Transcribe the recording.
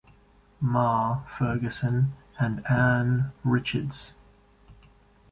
"Ma" Ferguson and Ann Richards.